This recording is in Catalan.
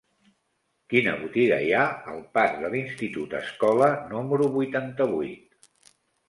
Quina botiga hi ha al pas de l'Institut Escola número vuitanta-vuit?